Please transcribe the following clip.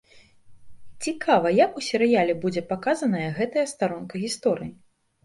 Цікава, як у серыяле будзе паказаная гэтая старонка гісторыі?